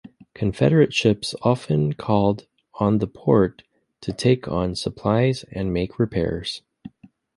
Confederate ships often called on the port to take on supplies, and make repairs.